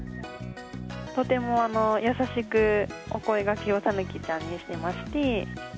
とても優しくお声がけをタヌキちゃんにしていまして。